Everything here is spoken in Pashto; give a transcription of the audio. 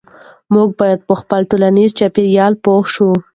موږ باید په خپل ټولنیز چاپیریال پوه شو.